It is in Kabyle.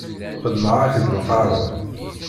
Xedmeɣ-ak-d lqahwa.